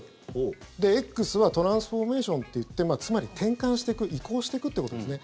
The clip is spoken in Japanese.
で、Ｘはトランスフォーメーションでつまり、転換していく移行していくってことですね。